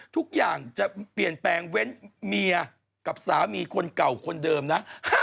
ทุกอย่างจะเปลี่ยนแปลงเว้นเมียกับสามีคนเก่าคนเดิมนะ